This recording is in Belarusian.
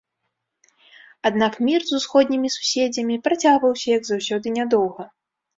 Аднак мір з усходнімі суседзямі працягваўся, як заўсёды, нядоўга.